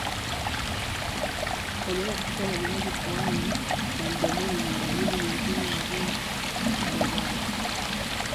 Wanyama kutoka majimaji puani na mdomoni ni dalili nyingine ya ugonjwa wa ndorobo